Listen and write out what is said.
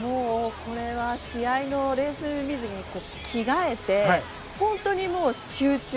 これは試合のレース水着に着替えて、本当に集中。